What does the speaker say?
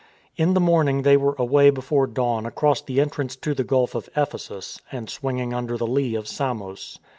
In the morning they were away before dawn across the entrance to the Gulf of Ephesus and swinging under the lee of Samos.